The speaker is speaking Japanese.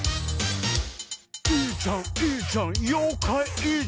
「いいじゃんいいじゃんようかいいいじゃん」